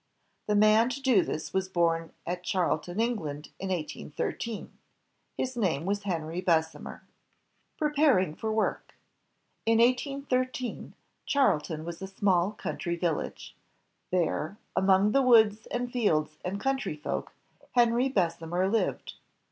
The man to do this was born at Charlton, England, in 1813. His name was Henry Bessemer. « Preparing for Work In 1813, Charlton was a small country village. There, among the woods and fields and country folk, Henry Bessemer lived.